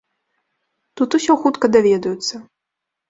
Тут усё хутка даведаюцца.